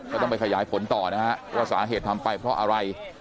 ก็ต้องไปขยายผลต่อนะฮะว่าสาเหตุทำไปเพราะอะไร